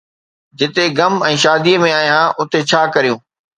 جتي غم ۽ شاديءَ ۾ آهيان، اتي ڇا ڪريون؟